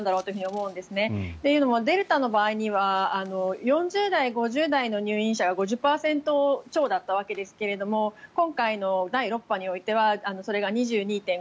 というのもデルタの場合には４０代、５０代の入院者が５０％超だったわけですが今回の第６波においてはそれが２２．５７％。